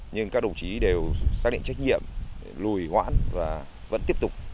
nhưng các đồng chí đều xác định trách nhiệm lùi hoãn và vẫn tiếp tục